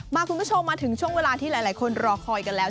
คุณผู้ชมมาถึงช่วงเวลาที่หลายคนรอคอยกันแล้ว